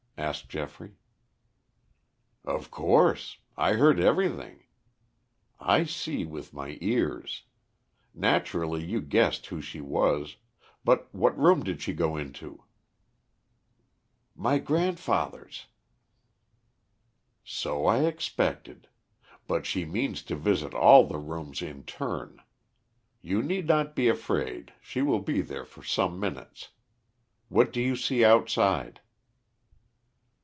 asked Geoffrey. "Of course, I heard everything. I see with my ears. Naturally you guessed who she was. But what room did she go into?" "My grandfather's." "So I expected. But she means to visit all the rooms in turn. You need not be afraid, she will be there for some minutes. What do you see outside?"